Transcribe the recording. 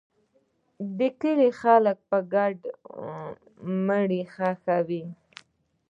د کلي خلک په ګډه مړی ښخوي.